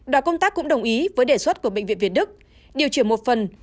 đoàn công tác cũng đồng ý với đề xuất của bệnh viện việt đức điều chuyển một phần